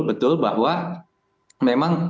betul bahwa memang